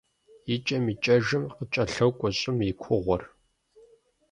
ИкӀэм-икӀэжым къыкӀэлъокӀуэ щӀым и кугъуэр.